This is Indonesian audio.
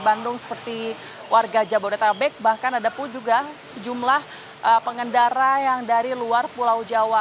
bandung seperti warga jabodetabek bahkan ada pun juga sejumlah pengendara yang dari luar pulau jawa